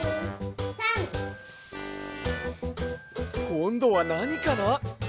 こんどはなにかな？